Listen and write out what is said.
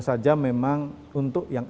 saja memang untuk yang